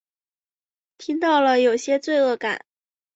听到了有点罪恶感